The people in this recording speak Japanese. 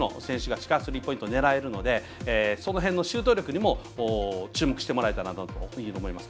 シュート狙えるのでその辺のシュート力にも注目してもらえたらと思います。